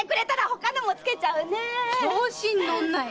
調子にのんない！